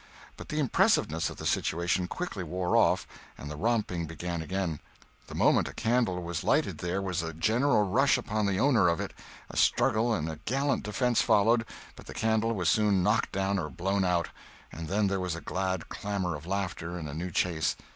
But the impressiveness of the situation quickly wore off, and the romping began again. The moment a candle was lighted there was a general rush upon the owner of it; a struggle and a gallant defence followed, but the candle was soon knocked down or blown out, and then there was a glad clamor of laughter and a new chase.